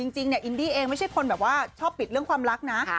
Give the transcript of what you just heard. จริงเนี่ยอินดี้เองไม่ใช่คนแบบว่าชอบปิดเรื่องความรักนะ